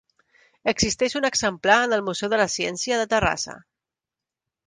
Existeix un exemplar en el Museu de la Ciència de Terrassa.